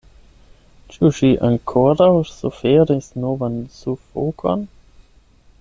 Ĉu ŝi ankoraŭ suferis novan sufokon?